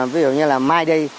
ví dụ như là mai đi